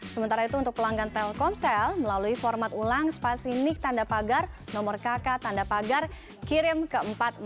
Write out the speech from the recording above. sementara itu untuk pelanggan telkomsel melalui format ulang rekspasi nic tanda pagar nomor kk tanda pagar kirim ke empat ribu empat ratus empat puluh empat